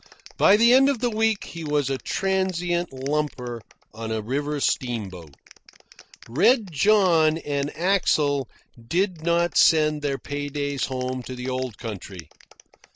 By the end of the week he was a transient lumper on a river steamboat. Red John and Axel did not send their pay days home to the old country.